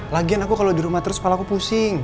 lagian aku kalau di rumah terus kepala aku pusing